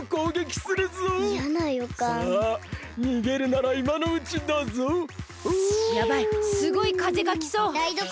すごいかぜがきそう。